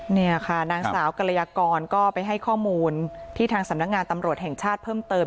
นี่ค่ะนางสาวกรยากรก็ไปให้ข้อมูลที่ทางสำนักงานตำรวจแห่งชาติเพิ่มเติม